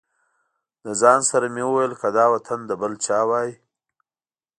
له ځان سره مې وویل که دا وطن د بل چا وای.